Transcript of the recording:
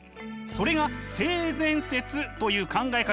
それが性善説という考え方です！